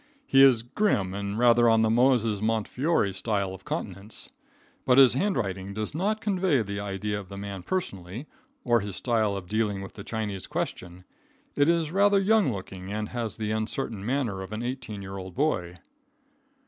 He is grim and rather on the Moses Montefiore style of countenance, but his hand writing does not convey the idea of the man personally, or his style of dealing with the Chinese question. It is rather young looking, and has the uncertain manner of an eighteen year old boy.